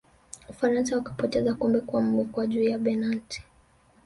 ufaransa wakapoteza kombe kwa mikwaju ya penati